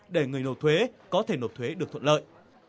để người nộp thuế có thể nộp thuế được thuận lợi